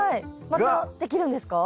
またできるんですか？